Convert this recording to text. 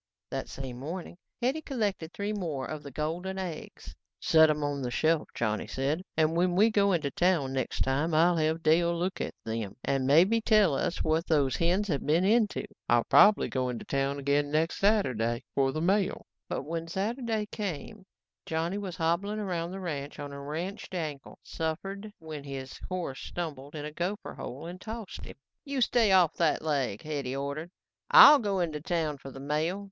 That same morning, Hetty collected three more of the golden eggs. "Set 'em on the shelf," Johnny said, "and when we go into town next time I'll have Dale look at them and maybe tell us what those hens have been into. I'll probably go into town again Saturday for the mail." But when Saturday came, Johnny was hobbling around the ranch on a wrenched ankle, suffered when his horse stumbled in a gopher hole and tossed him. "You stay off that leg," Hetty ordered. "I'll go into town for the mail.